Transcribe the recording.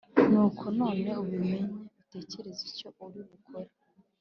Nuko none ubimenye utekereze icyo uri bukore